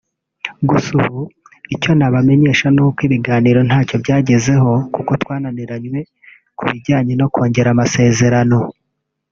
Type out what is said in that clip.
Gusa ubu icyo nabamenyesha ni uko ibiganiro ntacyo byagezeho kuko twananiranywe ku bijyanye no kongera amazezerano”